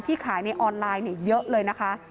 ขายในออนไลน์เยอะเลยนะคะ